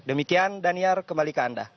demikian daniar kembali ke anda